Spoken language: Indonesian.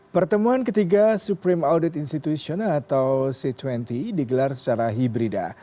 pertemuan ketiga supreme audit institution atau c dua puluh digelar secara hibrida